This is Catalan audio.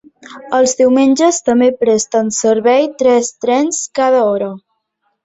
Els diumenges també presten servei tres trens cada hora.